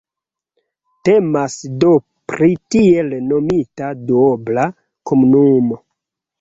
Temas do pri tiel nomita duobla komunumo.